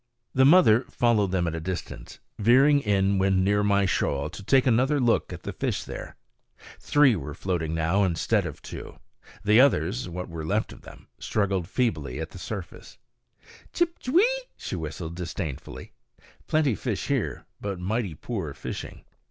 The mother followed them at a distance, veering in when near my shoal to take another look at the fish there. Three were floating now instead of two; the others what were left of them struggled feebly at the surface. Chip, ch'weee! she whistled disdainfully; "plenty fish here, but mighty poor fishing."